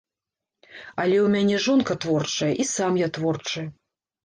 Але ў мяне жонка творчая, і сам я творчы.